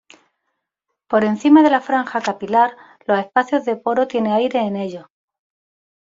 Por encima de la franja capilar, los espacios de poro tiene aire en ellos.